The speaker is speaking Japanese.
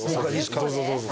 どうぞどうぞ。